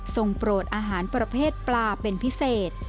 โปรดอาหารประเภทปลาเป็นพิเศษ